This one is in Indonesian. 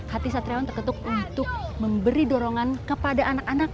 hati satriawan terketuk untuk memberi dorongan kepada anak anak